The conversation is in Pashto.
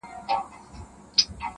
o و قاضي صاحب ته ور کړې زر دیناره,